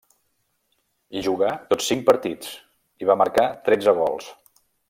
Hi jugà tots cinc partits, i va marcar tretze gols.